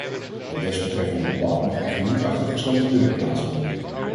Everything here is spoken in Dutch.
Het desbetreffende debat mag echter niet achter gesloten deuren plaatsvinden.